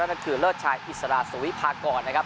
นั่นคือเลิศชายอิสระสุวิพากรนะครับ